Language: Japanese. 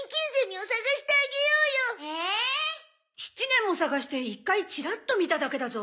７年も探して１回チラッと見ただけだぞ。